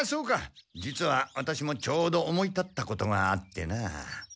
実はワタシもちょうど思い立ったことがあってな。